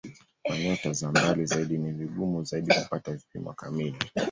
Kwa nyota za mbali zaidi ni vigumu zaidi kupata vipimo kamili.